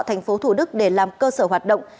thành phố thủ đức để làm cơ sở hoạt động